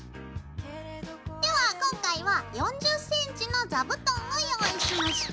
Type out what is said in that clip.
では今回は４０ｃｍの座布団を用意しました。